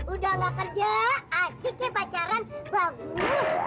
udah gak kerja asik ya pacaran bagus